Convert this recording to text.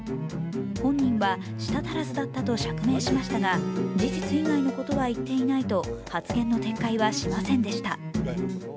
本人は、舌足らずだったと釈明しましたが事実以外のことは言っていないと発言の撤回はしませんでした。